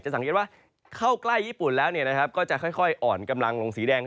สังเกตว่าเข้าใกล้ญี่ปุ่นแล้วก็จะค่อยอ่อนกำลังลงสีแดง